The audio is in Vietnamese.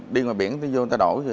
đi ngoài biển nó vô nó đổ